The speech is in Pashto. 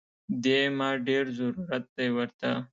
دې ما ډېر ضرورت دی ورته